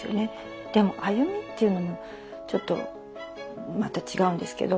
でも亜弓っていうのもちょっとまた違うんですけど